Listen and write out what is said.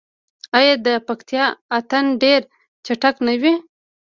آیا د پکتیا اتن ډیر چټک نه وي؟